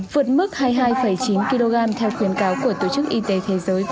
vượt mức hai mươi hai chín kg theo khuyến cáo của tổ chức y tế thế giới